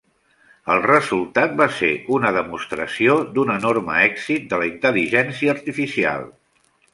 El resultat va ser una demostració d'un enorme èxit de la intel·ligència artificial.